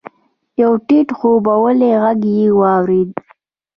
يو ټيټ خوبولی ږغ يې واورېد.